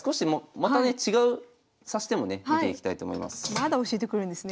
まだ教えてくれるんですね。